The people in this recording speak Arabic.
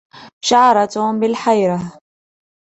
شعر توم بالحيره.